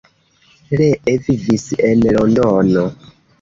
Lee vivis en Londono.